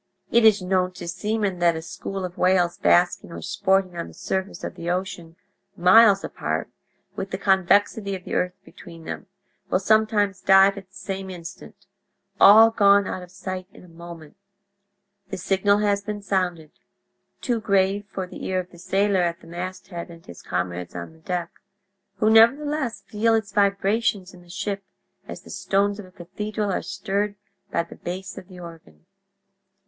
"It is known to seamen that a school of whales basking or sporting on the surface of the ocean, miles apart, with the convexity of the earth between them, will sometimes dive at the same instant—all gone out of sight in a moment. The signal has been sounded—too grave for the ear of the sailor at the masthead and his comrades on the deck—who nevertheless feel its vibrations in the ship as the stones of a cathedral are stirred by the bass of the organ.